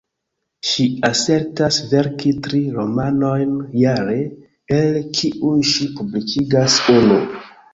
Ŝi asertas verki tri romanojn jare, el kiuj ŝi publikigas unu.